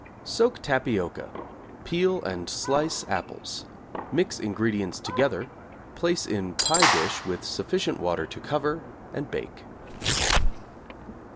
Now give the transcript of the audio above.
Soak tapioca, peel and slice apples; mix ingredients together, place in pie dish with sufficient water to cover and bake.